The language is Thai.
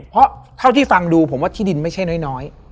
เพราะเท่าที่ฟังดูผมว่าที่ดินไม่ใช่น้อย